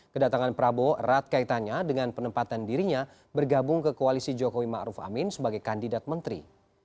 kedatangan prabowo erat kaitannya dengan penempatan dirinya bergabung ke koalisi jokowi ⁇ maruf ⁇ amin sebagai kandidat menteri